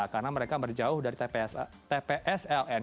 karena mereka berjauh dari tpsln